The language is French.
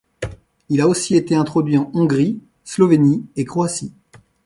Il a aussi été introduit en Hongrie, Slovénie et Croatie.